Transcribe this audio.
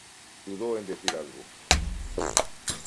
dudo en decir algo